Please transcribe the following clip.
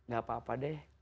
gak apa apa deh